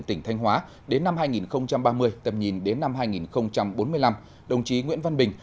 tỉnh thanh hóa đến năm hai nghìn ba mươi tầm nhìn đến năm hai nghìn bốn mươi năm đồng chí nguyễn văn bình